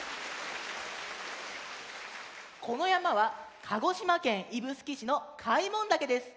このやまは鹿児島県指宿市の開聞岳です。